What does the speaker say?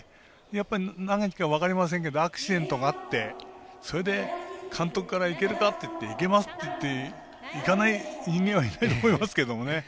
やっぱり何か分かりませんけどアクシデントがあって監督からいけるか？と言われいけないって言う選手いないと思いますけどもね。